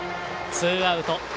ツーアウト。